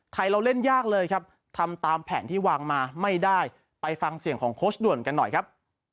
เราเล่นยากเลยครับทำตามแผนที่วางมาไม่ได้ไปฟังเสียงของโค้ชด่วนกันหน่อยครับ